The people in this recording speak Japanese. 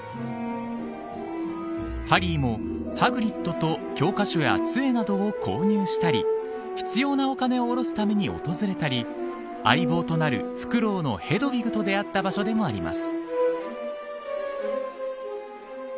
ハリーもハグリットと教科書やつえなどを購入したり必要なお金を下ろすために訪れたり相棒となるフクロウのヘドウィグと出会った場所でもあります。